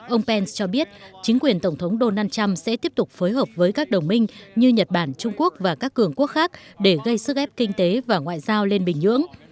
ông pence cho biết chính quyền tổng thống donald trump sẽ tiếp tục phối hợp với các đồng minh như nhật bản trung quốc và các cường quốc khác để gây sức ép kinh tế và ngoại giao lên bình nhưỡng